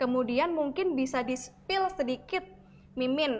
kemudian mungkin bisa di spill sedikit mimin